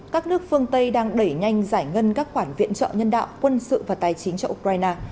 các nước phương tây đang đẩy nhanh giải ngân các khoản viện trợ nhân đạo quân sự và tài chính cho ukraine